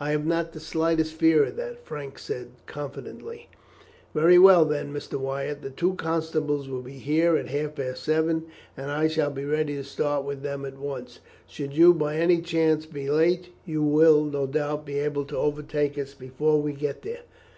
"I have not the slightest fear of that," Frank said confidently. "Very well, then, Mr. Wyatt. The two constables will be here at half past seven, and I shall be ready to start with them at once. Should you by any chance be late, you will, no doubt, be able to overtake us before we get there."